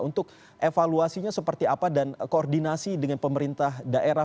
untuk evaluasinya seperti apa dan koordinasi dengan pemerintah daerah